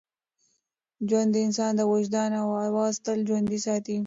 ژوند د انسان د وجدان اواز تل ژوندی ساتي.